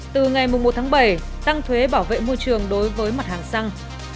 từ ngày một tháng bảy tăng thuế bảo vệ môi trường đối với mặt hàng xăng